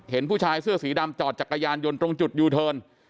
เห็นผู้ชายเสื้อสีดำจอดจักรยานยนต์ตรงจุดยูเทิร์น